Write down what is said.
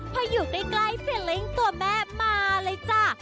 พออยู่ใกล้เฟลลิ่งตัวแม่มาเลยจ้า